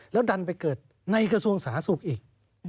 แล้วดันไปเกิดในกระทรวงสาธารณสุขอีก